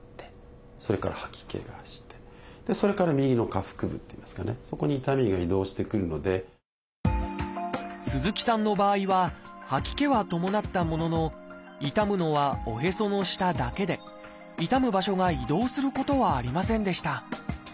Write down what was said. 下腹部の痛みと聞いて医師はまず「虫垂炎」を疑いました鈴木さんの場合は吐き気は伴ったものの痛むのはおへその下だけで痛む場所が移動することはありませんでした